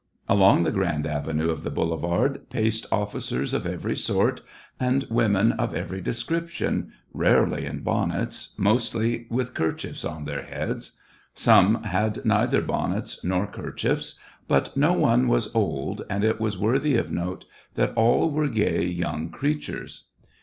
Along the grand avenue of the boulevard paced officers of every sort, and women of every description, rarely in bonnets, mostly with kerchiefs on their heads (some had neither bonnets nor kerchiefs), but no one was old, and it was worthy of note that all were gay young creatures.